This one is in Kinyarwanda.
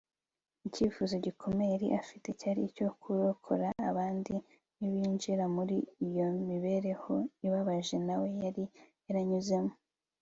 icyifuzo gikomeye yari afite cyari icyo kurokora abandi ntibinjire muri iyo mibereho ibabaje nawe yari yaranyuzemo